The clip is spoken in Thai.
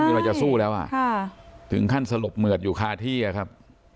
คือเราจะสู้แล้วอ่ะถึงขั้นสลบเหมือดอยู่คาที่อะครับ